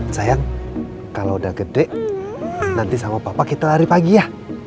sayang kalau udah gede nanti sama papa kita lari pagi ya